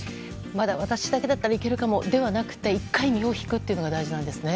まだ私だけだったら行けるかもじゃなくて１回身を引くのが大事なんですね。